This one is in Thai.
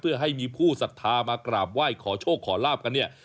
เพื่อให้มีผู้สัทธามากราบไหว้ขอโชคขอลาบกันเนี่ย